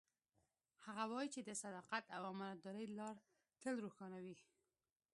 هغه وایي چې د صداقت او امانتدارۍ لار تل روښانه وي